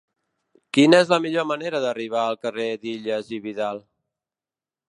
Quina és la millor manera d'arribar al carrer d'Illas i Vidal?